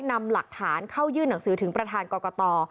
นำหลักฐานเข้ายื่นหนังสือถึงประธานกรกต